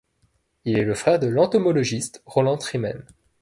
Il est le frère de l’entomologiste Roland Trimen.